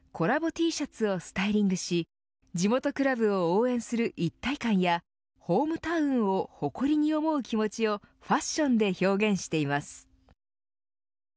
Ｔシャツをスタイリングし地元クラブを応援する一体感やホームタウンを誇りに思う気持ちをファッションで表現しています。